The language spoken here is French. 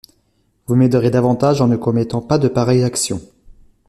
Vous m'aiderez davantage en ne commettant pas de pareilles actions.